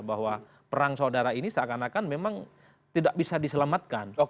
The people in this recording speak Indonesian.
bahwa perang saudara ini seakan akan memang tidak bisa diselamatkan